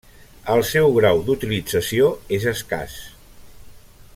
El seu grau d'utilització és escàs.